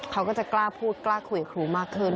เขาก็จะกล้าพูดกล้าคุยกับครูมากขึ้น